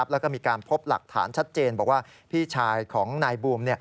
แล้วก็มีการพบหลักฐานชัดเจนบอกว่าพี่ชายของนายบูม